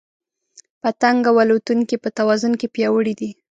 پتنګ او الوتونکي په توازن کې پیاوړي دي.